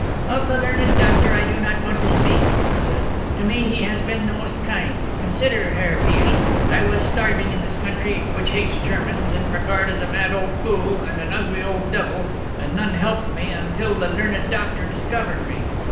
"Of the learned doctor I do not want to speak," he said, "to me he has been most kind. Consider, Herr Peale, I was starving in this country which hates Germans and regard as a mad old fool and an ugly old devil, and none helped me until the learned doctor discovered me.